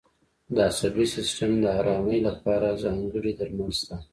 د عصبي سیستم د آرامۍ لپاره ځانګړي درمل شته.